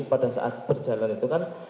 pada saat berjalan itu kan